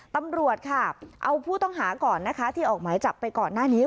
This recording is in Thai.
ตำรวจค่ะเอาผู้ต้องหาก่อนนะคะที่ออกหมายจับไปก่อนหน้านี้